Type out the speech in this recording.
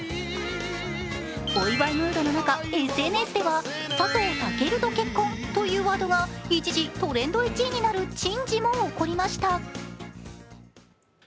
お祝いムードの中、ＳＮＳでは佐藤健と結婚というワードが一時トレンド１位になる珍事も起こりました。